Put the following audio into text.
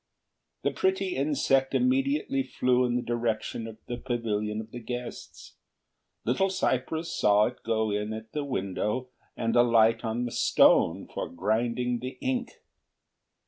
The pretty insect immediately flew in the direction of the Pavilion of the guests. Little cypress saw it go in at the window and alight on the stone for grinding the ink.